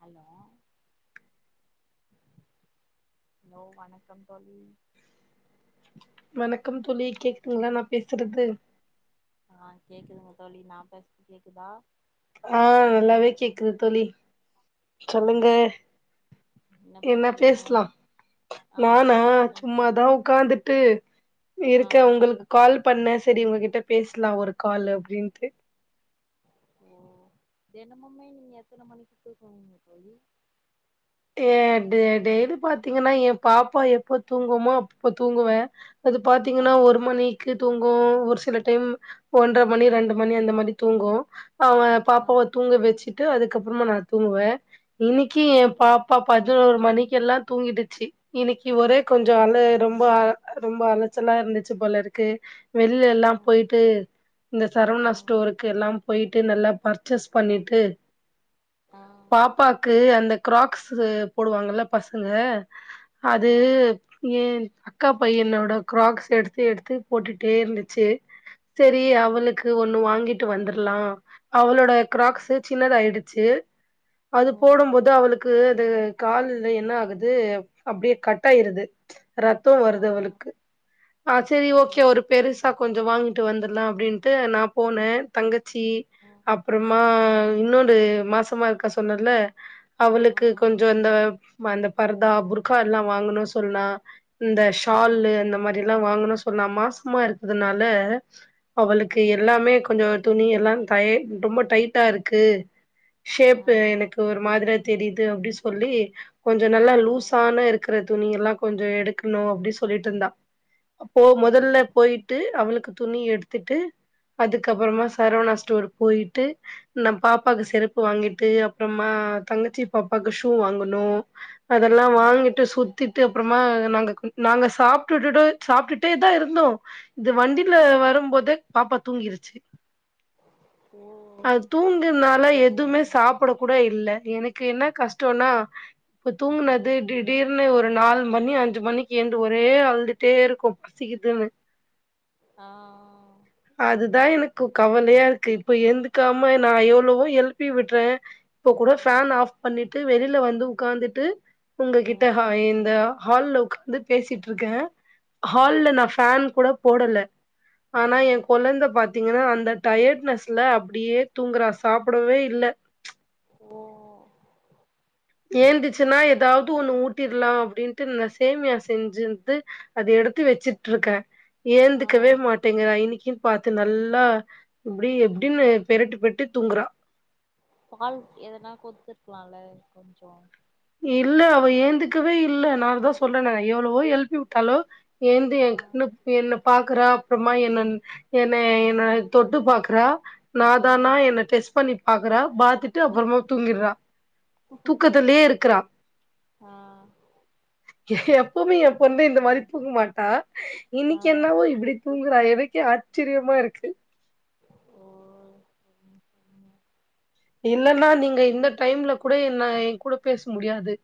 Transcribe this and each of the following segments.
Hello hello வணக்கம் தோழி வணக்கம் தோழி கேக்குதுங்களா நா பேசுறது அ கேக்குதுங்க தோழி நா பேசுறது கேக்குதா ஆ நல்லாவே கேக்குது தோழி ஆ சொல்லுங்க என்ன பேசலா ஆ நானா பேசலா தோழி சும்மாதா ஒ உக்காந்துட்டு நீ ஆ இருக்க ஒங்களுக்கு கால் பண்ண சரி உங்ககிட்ட பேசலா ஒரு கால் அப்டின்ட்டு ஓ தெனமுமே நீங்க எத்தன மணிக்கு தூங்குவீங்க தோழி ஏ டெ டெய்லி பாத்தீங்கனா ஏ பாப்பா எப்ப தூங்குமோ அப்ப தூங்குவ அது ஆ பாத்தீங்ன்னா ஒரு மணி க்கே தூங்கு ஒரு சில டைம் ஒன்ற மணி ரெண்டு மணி அந்த மாரி தூங்கு அவ ஆ பாப்பாவ தூங்க வச்சுட்டு அதுக்கப்புறமா நா தூங்குவ இன்னைக்கி என் பாப்பா பதினோரு மணிக்கெல்லா தூங்கிடுச்சி இன்னிக்கி ஒரே கொஞ்சொ அழ ரொம்ப ஆ ரொம்ப அலச்சலா இருந்துச்சு போலருக்கு வெளியெல்லா ம் போயிட்டு இந்த சரவணா ம் ஸ்டோருக்கு எல்லா போயிட்டு நல்லா பர்ச்சேஸ் பண்ணிட்டு ஆ பாப்பாக்கு அந்த கிராக்ஸு போடுவாங்கல்ல பசங்க அது ஆ ஏ அக்கா பையனோட க்ராக்ஸ் எடுத்து எடுத்து போட்டுட்டே இருந்துச்சு செரி ஆ அவளுக்கு ஒண்ணு வாங்கிட்டு வந்துரலா அவளோட ஆ கிராக்ஸ் சின்னதா ஆயிடுச்சு அது ம் போடும் போது அவுளுக் அது து கால்ல என்ன ஆகுது அப்டியே கட் ஆயிருது ரத்தோ ஆ வருது அவளுக்கு ஆ செரி ஓ ஓகே ஒரு பெருசா கொஞ்சோ வாங்கிட்டு வந்தர்லா அப்டின்ட்டு நா போனே தங்கச்சி ஒ அப்புறமா இன்னொரு மாசமா இருக்கா சொன்னல அவளுக்கு ம் கொஞ்சோ இந்த மா இந்த பரதா புர்க்கா எல்லா வாங்கணு சொன்னா இந்த ம் ஷால்லு அந்த மாரி எல்ல வாங்குனு சொன்னா மாசமா இருக்கிறதனால அவளுக்கு ம் எல்லாமே கொஞ்சோ துணி எல்லா த ரொம்ப டைட்டா இருக்கு ஆ ஷேப்பு எனக்கு ஒரு மாதிரியா தெரியுது அப்டி சொல்லி கொஞ்சோ நல்லா ஆ லூஸானருக் க்கிற துணியெல்லா கொஞ்ச எடுக்கணு அப்டி சொல்லிட்ருந்தா போ ஓ மொதல்ல போயிட்டு அவளுக்கு துணி எடுத்துட்டு அதுக்க அப்பறமா ம் சரவணா ஸ்டோர் போயிட்டு நா பாப்பாக்கு ம் செருப்பு வாங்கிட்டு அப்றமா தங்கச்சி பாப்பாக்கு ஷூ வாங்கணு ஆ அதெல்லா வாங்கிட்டு சு திட்டு அப்றமா நாங்க நாங்க சாப்ட்டுட்டு சாப்ட்டுட்டே தா இருந்தோ இது வண்டியில வரும் போதே பாப்பா தூங்கிருச்சு ஓ அத் தூங்குனொல எதுவுமே சாப்பிட கூட இல்ல எனக்கு என்ன கஷ்டோனா இப்ப தூங்குனது ம் டிட் திடீர்னு ஒரு நால் மணி அஞ்சு மணிக்கு ஏந்து ஒரே அழுதுட்டேருக்கு பசிக்குதுன்னு [inaudible] ஆ அதுதா எனக்கு கவலையாருக்கு இப்ப எந்துக்காம நா எவ்வளவோ எழுப்பி விடுறே இப்போ கூட ஆ ஃபேன் ஆஃப் பண்ணிட்டு ய் வந்து உக்காந்துட்டு ஆ உங்ககிட்ட ஹாய் இந்த ஹாய் ஹால்ல வந்து பேசிட்டுருக்கே ஆ ஹால்ல நா ஃபேன் கூட போடல ஆ ஆனா எ கொழந்த பா பாத்தீங்கன்னா அந்த டயர்ட்னஸ்ல அப்டியே தூங்குறா சாப்டவே இல்ல ஓ ஏந்துச்சுன்னா எதாவ்து ஒண்ணு ஊட்டிலா அப்டின்ட்டு இந்த சேமியா செஞ்சிந்து அது எடுத்து வெச்சிட்டுருக்கே ஆ ஏந்துக்கவே மாட்டேங்றா இன்னைக்ன் பாத்து நல்லா இப்டி எப்டின்னு பெருட்டு பெட்டு தூங்குறா பால் எதனா குடுத்துருக்கலாம்ல கொஞ்சோம் இல்ல அவ ஏந்துக்கவே இல்ல நான் தான் சொல்றனே எவ்ளவோ எழுப்பி விட்டாலோ ஏந்து என் ஆ கண்ணு என்ன பாக்குறா அப்புறமா என்ன என்ன என்ன தொட்டு பாக்றா நா ஆ தானா என்ன டெஸ் பண்ணி பாக்குறா பாத்துட்டு அப்புறமா தூங்கிட்றா தூக்கத்திலே இருக் க்குறா ஆ எப்பவுமே என் பொண்ணு இந்த மாரி தூங்க மாட்டா ஆ இன்னிக்கு என்னவோ இப்டி தூங்குறா எனக்கே ஆச்சரியமா இருக்கு ஓ ம் ம் இல்லன்னா நீங்க இந்த டைம்ல கூட என்ன என் கூட பேச முடியாது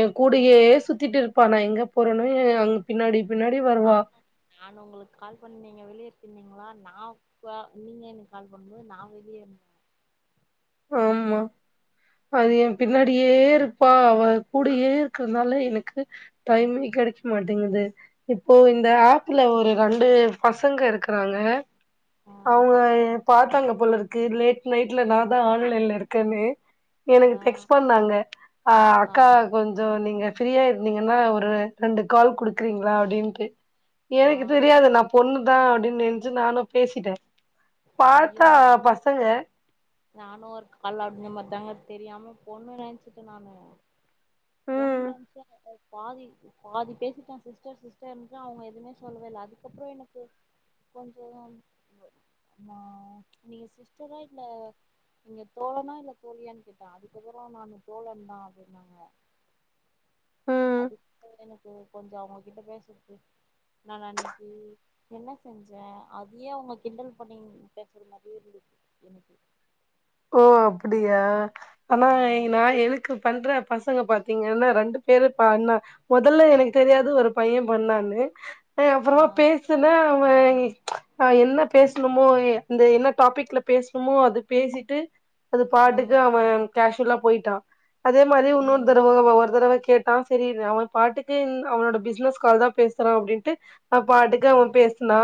என் ஆ கூடயே சுத்திட்டு இருப்பா நான் எங்கே போறனோ ஏன் பின்னாடி பின்னாடி வருவா ஆமா நான் உங்களுக்கு கால் பண்ணீங்க நீங்க வெளிய இருக்கேன்னீங்ளா நான் ப்பா நீங்க எனக்கு கால் பண்ணும்போது நான் வெளியே இருந் ஆம்மா அது என் பின்னாடியே இரு ப்பா அவ கூடயே இருக்கறனால எனக்கு டைம்மே கெடைக்க மாட்டேங்குது இப்போ இந்த ஆப்ல ஒரு ரெண்டு பசங்க இருக்கறாங்க ஆ அவங்க பாத்தாங்க போல இருக்கு லேட் நைட்ல நா தான் ஆன்லைன்ல இருக்கன்னு ஆ எனக்கு டெக்ஸ் பண்ணாங்க ஆ அக்கா கொஞ் கொஞ்ஜோம் நீங்க ஃப்ரீயா இருந்தீங்கன்னா ஒரு ரெண்டு கால் குடுக்குறீங்ளா அப்டின்ட்டு ஆ எனக்கு தெரியாது நா பொண்ணு தா அப்டின்னு நெனச்சு நானும் பேசிட்டேன் பாத்தா பசங்க நானும் ஒரு கால் அந்த மாரி தாங்க தெரியாம பொண்ணு நெனச்சிட்டே நானு பொண் ம், நெனச்சா நல்லது பாதி பாதி பேசிட்டேன் சிஸ்டர் சிஸ்டர்னு அவங்க எதுமே சொல்லவே இல்ல அதுக்கப்பறம் எனக்கு கொஞ்சம் நா நீங்க சிஸ்டரா இல்ல நீங்க தோழனா இல்ல தோழியான் கேட்டன் அதுக்கப்பறம் நானு தோழன் தான் அப்டின்னாங்க ம். அதுக்கு எனக் க்கு கொஞ்ச அவங்கிட்ட பேசுறதுக்கு நா அன்னிக்கு என்ன செஞ்சேன் அதயே அவங்க கிண்டல் பண்ணி பேசுற மாரியே இருந்தது எனக்கு ஓ அப்டியா ஆனா ஆ நா எதுக் க்கு பண்ற பசங்க பாத்தீங்கன்னா ரெண்டு பேரு பன்ன மொதல்ல எனக்கு தெரியாது ஒரு பையன் பொண்ணான்னு ஆ அப்பறமா பேஸ் துனா அவன் என்ன பேசணுமோ அந்த என்ன டாபிக்ல பேசணுமோ அது பேசி ட்டு அது ம் பாட்டுக்கு அவன் காேஷுவலா போயிட்டான் அதே மாரி உன்னொரு ம் தடவ ஒரு தடவ கேட் நா செரி அவன் பாட்டுக்கு அவனோட பிஸ்னஸ் கால் தான் பேசுறான் அப்டின்ட்டு அவன் பாட்டுக்கு அவன் ம் பேசுனா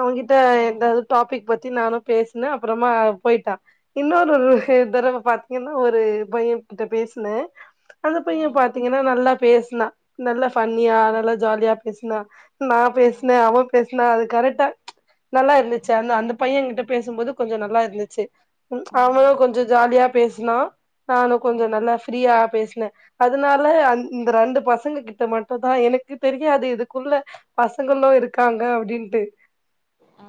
அவன்கிட்ட ம் எதாவது டாபிக் பத்தி நானு பேசுனே அப்புறமா போயிட்டா இன்னொரு ம் தடவ பாத் என்ன ஒரு பையன் கிட்ட பேசுனே அந்த பையன் ம் பாத்தீ ஏன்னோ நல்லா பேசுனா நல்லா ஃபண்ணியா நல்லா ஜாலியா பேசுனா நான் பேசுனே அவன் பேசுனா அது கரெக்டா நல்லா இருந்துச்சி அந்த அந்த பையன்கிட்ட பேசும்போது கொஞ்சம் நல்லா இருந்துச்சி ம் அவனு ம் கொஞ்சோ ஜாலியா பேசுனா நானும் கொஞ்ச ம் நல்லா ஃப்ரீயா பேசுனே அதனால அந் இந்த ரெண்டு பசங்க கிட்ட மட் டும் தா எனக்கு தெரியாது இதுக்குள்ள பசங்களு இருக்காங்க அப்டின்ட்டு ஆ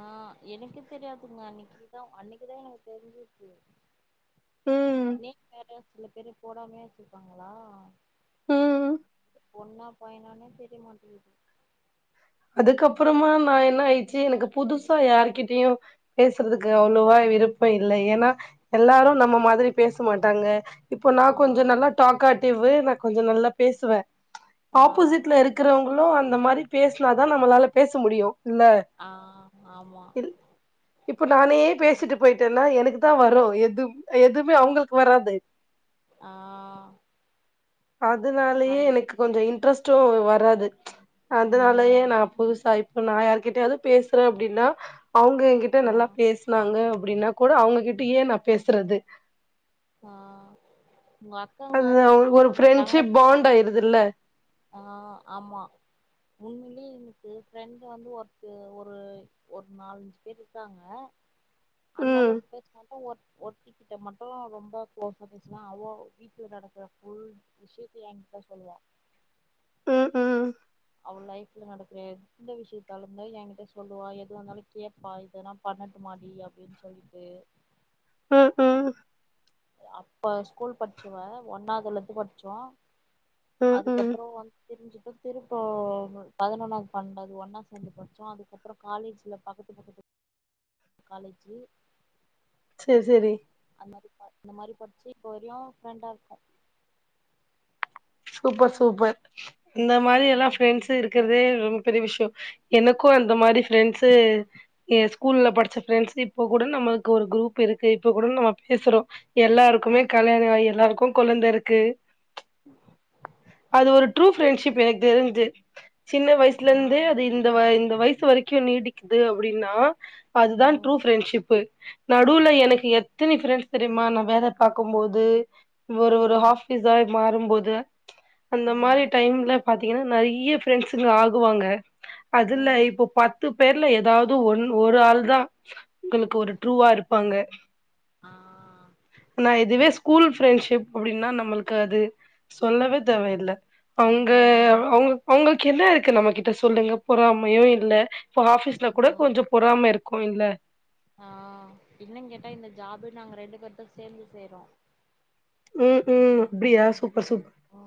எனக்கு தெரியாதுங்க அன்னிக்குதான் அன்னிக்குதான் எனக்கு தெரிஞ்சிது ம் நீ வேற சில பேரு போடாமே வச்சிருப்பாங்களா ம் பொண்ணா பயனானே தெரிய மாட்டேங்குது அதுக்கப்பறமா நான் என்ன ஆயிடுச்சு எனக்கு புதுசா யார்கிட்டயு பேசுறதுக்கு அவ்ளோவா விருப்பம் இல்லை ஏன்னா எல்லாரும் நம்ம மாதிரி பேச மாட்டாங்க இப்போ ஆ நான் கொஞ்சம் நல்லா டாக்காடிவ் நான் கொஞ்சம் நல்லா பேசுவே ஆ ஆப்போசிட்ல இருக் இருக்கிறவங்களும் அந்த மாரி பேசினாதான் நம்மளால பேச முடியும் இல்ல ஆ ஆமா இப்ப நானே பேசிட்டு போயிட்டேன்னா எனக்கு தான் வரும் எது எதுவுமே அவங்களுக்கு வராது ஆ அதனாலயே கரெக்ட் எனக்கு கொஞ்சம் இன்ட்ரெஸ்டும் வராது அதனா இல்லயே ம் நா புதுசா இப்ப நான் யார்கிட்டயாவது பேசுறேன் அப்டின்னா அவுங்க என்கிட்ட ஆ நல்லா பேஸ் நாங்க அப்டின்னா கூட அவங்ககிட்டயே நான் பேசுறது ஆ உங்க அக்காங்க சிஸ் உங்க தங்கச்சிங்க துல்ல ஆ ஆமா உண்மையிலயே எனக்கு ஃப்ரெண்டு வந்து ஒருத்த ஒரு ஒரு நாலஞ்சு பேர் இருக்காங்க அந்த ம் அளவுக்கு பேச மாட்டோ ஒர்த் ஒர்த்திக்கிட்ட மட்டும் ரொம்ப குளோஸா பேசுவ அவ வீட்ல நடக்கிற புல் விஷியத்த ஏ கிட்ட சொல்லுவா ம் ம் அவள் லைஃப்ல நடக்கிற எந்த விஷியத்தாலுமே என்கிட்ட சொல்லுவா எதுவா இருந்தாலு கேப்பா இதல்லா பண்ணட்டு மாடி அப்டின்னு சொல்லிட்டு ம் ம் அப்ப ஸ்கூல் படிச்சவ ஒன்னாவுதுலந்து படிச்சோ ம் ம் அதுக்கப்றோ வந் பிரிஞ்சுட்டு திருப்போ பதினொன்னாவுது பன்னென்டாவுது ஒன்னா சேந்து படிச்சோ அதுக்கப்றோ காலேஜில பக்கத்து பக்கத்து [inaudible] காலேஜீ சேர் சேரி அந்த மாரி இந்த மாரி படிச்சு இப்போரையு ஃப்ரெண்டா இருக்கோ சூப்பர் சூப்பர் இந்த மாரியெல்லா ஃப்ரெண்ட்ஸ் இருக்குறதே ரொம்ப பெரிய விஷியோ எனக்கு அந்த மாரி ஃப்ரெண்ட்ஸு ஏ ஸ்கூல்ல படிச்சு ஃப்ரெண்ட்ஸு இப்ப கூட நம்மளுக்கு ஒரு குரூப் இருக்கு இப்ப கூட நம்ம பேசுறோ எல்லாருக்குமே ஆ கல்யாணோ ஆகி எல்லாருக்கு கொழந்த இருக்கு [unintelligible] அது ஒரு ட்ரூ ஃப்ரெண்ட்ஷிப் எனக்கு தெரிஞ்சு சின்ன வயசுல இருந்து அது ஆ இந் த இந்த வயசு வரைக்கு நீடிக்குது அப்டின்னா அதுதா ட்ரூ ம் ஃப்ரெண்ட்ஷிப்பு நடுவுல எனக்கு எத்தினி ஃப்ரெண்ட்ஸ் தெரியுமா நா வேல பாக்கும்போது ஒரு ஒரு ஆ ஹாஸ் ஹிசாய் மாறும்போது அந்த மாரி ஆ டைம்ல பாத்தீங்கன்னா நெறைய ஃப்ரெண்ட்ஸுங்க ஆகுவாங்க ஓ அதுல இப்போ பத் பத்து பேர்ல எதாவுது ஒன் ஒரு ஆள் தா உங்களுக்கு ஒரு ட்ரூவா இருப்பாங்க ஆ ஆனா இதுவே ஸ்கூல் ஃப்ரெண்ட்ஷிப் அப்டின்னா நம்மளுக்கு அது சொல்லவே தேவயில்ல அங்க ம் அவுங்க அவுங்களுக்கு என்ன இருக்கு நம்மகிட்ட சொல்லுங்க பொறாமையு இல்ல இப்ப ஆஃபீஸ்ல கூட ம் கொஞ்சோ பொறாம இருக்கு இல்ல ஆ இன்னு கேட்டா இந்த ஜாப் நாங்க ரெண்டு பேரு சேந்து செய்றோ ம் அப்டியா சூப்பர் சூப்பர் ஆ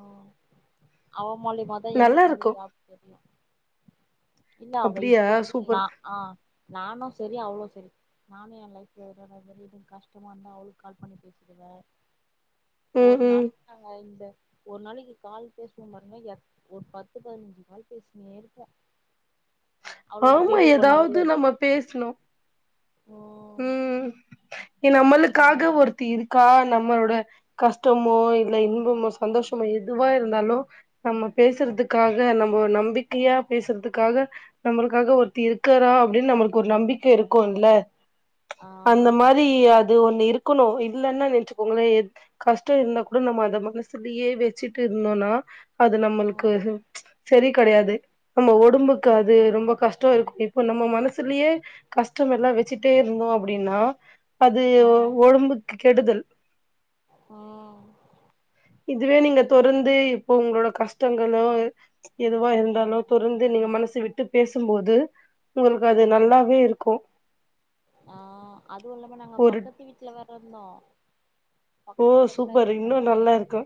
அவ மூலியுமாதா நல்லா எனக்கு இந்த இருக்கு ஜாப் தெரியு இல்ல அவ அப்டியா இப்ப வரைக்கு ந சூப்பர் ஆ நானு சரி அவளு சரி நானு ஏ லைஃப்ல எதுனா கஷ்டமா இருந்தா அவளுக்கு கால் பண்ணி பேசுவே [inaudible] ஒரு ம் நாளைக்கி தாங்க இந்த ஒரு நாளைக்கு கால் பேசுவோ பாருங்க எத் ஒரு பத்து பதினஞ்சி கால் பேசினே இருப்போ அவளோட ஆமா பேபி கொன்னாரெல்ல ஏதாவது நம்ம பேசணு ம் ம் நம்மளுக்காக அதனால ஒருத்தி இருக் கா நம்மளோட கஷ்டமோ இல்ல இன்பமோ சந்தோஷமோ எதுவா இருந்தாலோ நம்ம பேசுறதுக்காக நம்மள நம்பி க்கியா பேசுறதுக்காக நம்மளுக்காக ஒருத்தி இருக்கரா அப்டின்னு நம்மளுக்கு ஒரு நம்பிக்க இருக்கும்ல்ல ஆ அந்த மாரி அது ஒண்ணு இருக்குணு இல்லன்னா நெச்சக்கோங்களே கஷ்டோ இருந்தா கூட நம்ம அத மனசுலியே வச்சுட்டு இருந்தோம்னா அது நம்மளுக்கு செரி கெடையாது நம்ம ஒடும்புக்கு அது ரொம்ப கஷ்ட இருக்கோ இப்போ நம்ம மனசுலியே கஷ்டோமெல்லா வச்சிட்டே இருந்தோ அப்டின்னா அது ஆ ஒடம்புக்கு கெடுதல் ம் இதுவே நீங்க தொரந்து இப்போ உங்களோட கஷ்டங்களோ எதுவா இருந்தாலோ தொரந்து நீங்க மனசு விட்டு பேசும்போது உங்களுக்கு அது ம் நல்லாவே இருக்கும் ஆ அதுவும் இல்லாம நாங்க பக்கத்து வீட்ல வேர இந்தோ ஓ பக்கத்து பக்கத்துலா சூப்பர் இருந்த இன்னு மார்னா ஏ நல்லா இருக்கு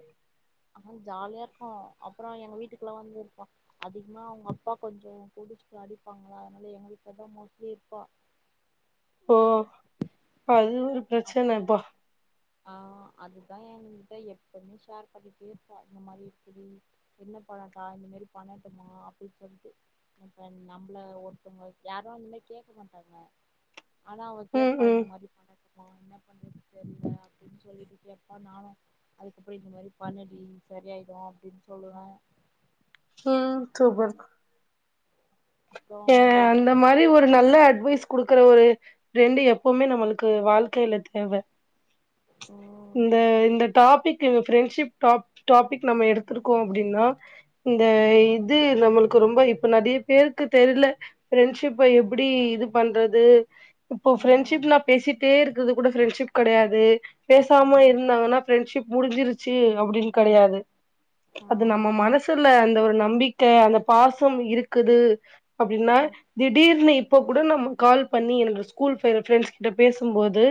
ஆ ஜாலியா இருக்கோ அப்பறோ எங்க வீட்டுக்குலா வந்து இருப்போ அதிகமா அவங்க அப்பா கொஞ்சோ குடிச்சிட்டு அடிப்பாங்களா அதனால எங்க வீட்லதா மோஸ்ட்லி இருப்பா ஓ அது ஒரு அப் பிரச்சன ஆ அது தா என்கிட்ட எப்பமே ஷேர் பண்ணிட்டே இருப்பா இந்த மாரி இப்டி என்ன பண்ணட்டா இந்த மேரி பண்ணட்டுமா அப்டின் சொல்ட்டு இப்ப நம்மள ஒருத்தவங்க யாரோ அந்த மேரி கேக்க மாட்டாங்க ஆனா அவ ம் கேப்பா இந்த ம் மாரி பண்ணட்டுமா என்ன பண்றது தெர்ல அப்டின் சொல்லிகிட்டே இருப்பா நானு அதுக்கப்பறோ இந்த மாரி பண்ணுடி சரியாயிடு அப்டின் சொல்லுவன் ம் சூப்பர் அப்புறோ ஏ அவங்க அந்த மாரி ஒரு நல்ல அட்வைஸ் குடுக்கற ஒரு ஃபிரெண்டு எப்பவுமே நம்மளுக்கு வாழ்க்கையில தேவ ஓ இந்த இந்த டாபிக்கு ப்ரெண்ட்ஷிப் டாப் டாபிக் நம்ம எடுத்திருக்கோ அப்டின்னா இந்த ம் இது நம்மளுக்கு ரொம்ப இப்ப நறையா பேரு க்கு தெர்ல ஃபிரண்ட்ஷிப்ப எப்டி இது பண்றது இப்போ ம் ஃபிரண்ட்ஷிப்னா பேசிட்டே இருக்கறது கூட ஃபிரண்ட்ஷிப் கெடையாது பேசாம ம் ம் இருந்தாங்கன்னா ஃபிரண்ட்ஷிப் முடிஞ்சிருச்சி அப்டின் கெடையாது அது நம்ம மனசுல அந்த ஒரு நம்பிக்க அந்த பாசம் இருக்குது அப்டின்னா திடீர்னு இப்ப கூட நம்ம கால் பண்ணி என்னோட ஸ்கூல் பிர ஃபிரண்ட்ஸ் கிட்ட பேசும்போது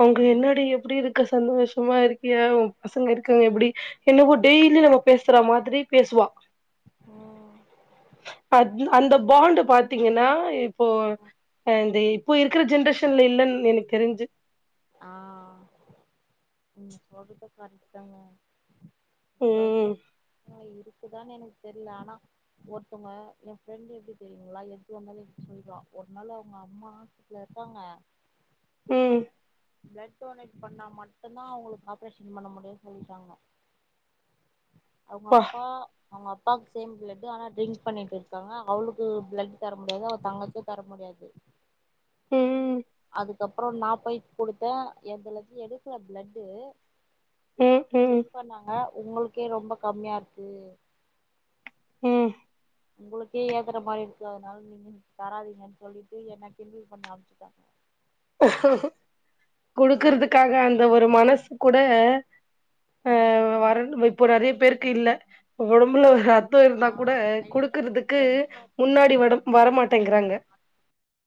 அவுங்க ம் என்னாடி எப்டி இருக்க சந்தோஷமா இருக்கியா ஓ பசங்க இருக்காங்க எப்டி என்னவோ டெய்லி நம்ம பேசுற மாரி பேசுவா ம் அது அந்த பாண்டு பாத்தீங்கன்னா இப்போ ஆ இந்த இப்போ இருக்கற ஜென்ரேஷன்ல இல்லன்னு எனக்கு தெரிஞ்சி ஆ நீங்க சொல்றது கரட்தாங்க ம் பசஸ் இருக்குதான்னு எனக்கு தெர்ல ஆனா ஒருத்தவங்க என் ஃபிரண்டு எப்டி தெரியுங்களா எது வந்தாலும் என்கிட்ட சொல்லிருவா ஒரு நாளு அவங்க அம்மா ட்ல இருக்காங்க ம் பிளட் டொனேட் பண்ணா மட்டுந்தா அவுங்களுக்கு ஆப்ரேஷன் பண்ண முடியுன்னு சொல்லிட்டாங்க அவுங்க ப்பா அப்பா அவுங்க அப்பாவுக்கு சேம் பிளடு் ஆனால் ட்ரிங்க்ஸ் பண்ணிட்டு இருக்காங்க அவளுக்கு பிளட் தர முடியாது அவ தங்கச்சியும் தர முடியாது ம் அதுக்கப்புறம் நா போயி குடுத்தேன் என் பிளடு எடுக்கல பிளடு ம் ம் செக் பண்ணாங்க உங்களுக்கே ரொம்ப கம்மியா இருக்கு ம் உங்களுக்கே ஏத்துற மாரி இருக்கு அதனால நீங்க தராதீங்கன்னு சொல்லிட்டு என்ன கிண்டல் பண்ணி ஆம்பிச்சுட்டாங்க குடுக்கறதுக்காக அதுக்கப்புறோ அந்த ஒரு மனசு கூட ம் [unintelligible] இப்போ நறைய பேருக்கு இல்ல ஒடம்புல ஆ இருந்தா கூட ஐ வி குடுக்குறதுக்கு கார்டு போட முன்னாடி வட நம்மளுக்கு வரமாட்டேங்கிறாங்க